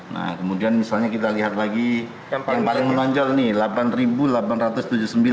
nah kemudian misalnya kita lihat lagi paling paling menonjol nih